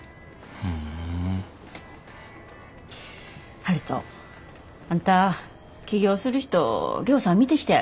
悠人あんた起業する人ぎょうさん見てきたやろ？